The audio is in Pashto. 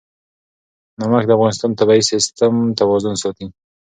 نمک د افغانستان د طبعي سیسټم توازن ساتي.